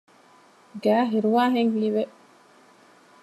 ގައި ހިރުވާހެން ހީވެ